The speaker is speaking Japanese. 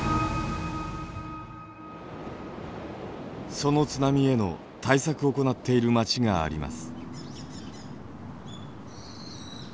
その津波への対策を行っている町があります。